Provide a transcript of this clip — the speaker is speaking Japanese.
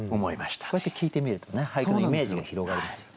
こうやって聞いてみるとね俳句のイメージが広がりますよね。